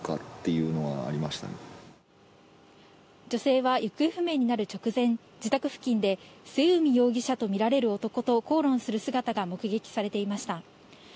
女性は、行方不明になる直前、自宅付近で末海容疑者とみられる男と口論する姿が目撃されていました。